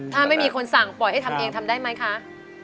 ถ้าไม่มีคนสั่งปล่อยให้ทำเองทำได้ไหมคะ